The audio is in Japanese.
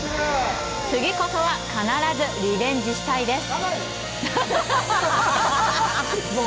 次こそは必ずリベンジしたいです！